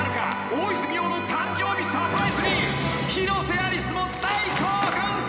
大泉洋の誕生日サプライズに広瀬アリスも大興奮スペシャル］